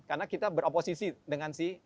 karena kita beroposisi dengan si